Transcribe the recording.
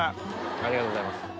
ありがとうございます。